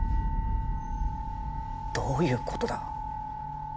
どういうことだ？